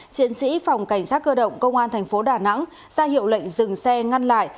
chiến sĩ phòng cảnh sát cơ động công an thành phố đà nẵng ra hiệu lệnh dừng xe ngăn lại